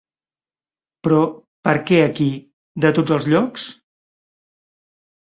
Però, per què aquí, de tots els llocs?